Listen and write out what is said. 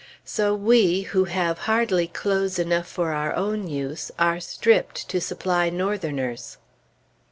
So we, who have hardly clothes enough for our own use, are stripped to supply Northerners!